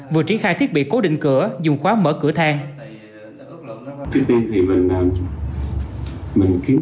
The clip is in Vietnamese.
vừa triển khai thiết bị cố định cửa dùng khóa mở cửa thang